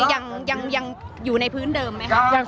อย่างที่บอกไปว่าเรายังยึดในเรื่องของข้อเรียกร้อง๓ข้อ